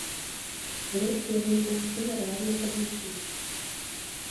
Зрэшты, яго немагчыма рэальна падлічыць.